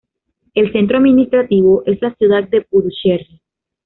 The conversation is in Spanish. El centro administrativo es la ciudad de Puducherry.